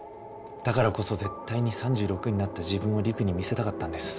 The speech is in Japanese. だからこそ絶対に３６になった自分を璃久に見せたかったんです。